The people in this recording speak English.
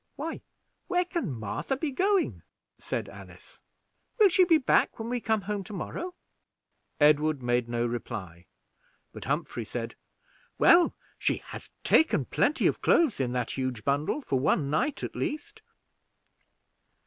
"Why, where can Martha be going?" said Alice. "Will she be back when we come home to morrow?" Edward made no reply, but Humphrey said, "Well, she has taken plenty of clothes in that huge bundle for one night, at least."